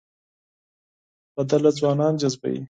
سندره ځوانان جذبوي